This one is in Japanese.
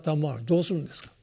どうするんですか？